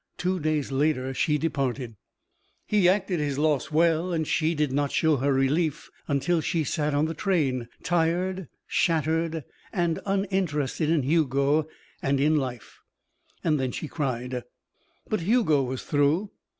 Two days later she departed. He acted his loss well and she did not show her relief until she sat on the train, tired, shattered, and uninterested in Hugo and in life. Then she cried. But Hugo was through.